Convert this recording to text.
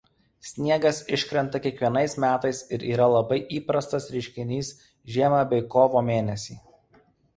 Sniegas iškrenta kiekvienais metais ir yra labai įprastas reiškinys žiemą bei kovo mėnesį.